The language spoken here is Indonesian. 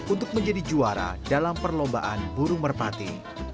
untuk menjadi juara dalam perlombaan burung merpati